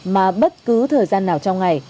mà bất cứ thời gian nào trong ngày